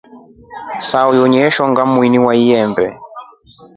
Sahuyo alishonga mhini wa lyembee.